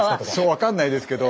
分かんないですけど。